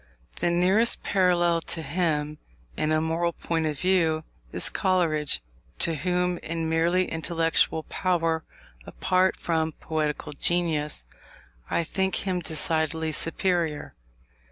The nearest parallel to him, in a moral point of view, is Coleridge, to whom, in merely intellectual power, apart from poetical genius, I think him decidedly superior.